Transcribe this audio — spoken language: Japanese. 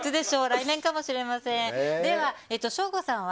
来年かもしれません。